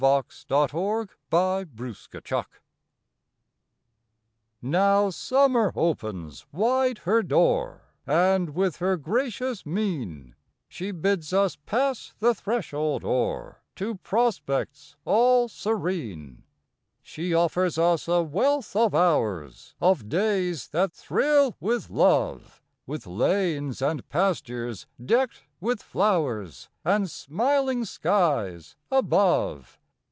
May Thirty first THE MESSENGER "VTOW Summer opens wide her door And, with her gracious mien, She bids us pass the threshold o er To prospects all serene. She offers us a wealth of hours, Of days that thrill with love, With lanes and pastures decked with flowers, And smiling skies above.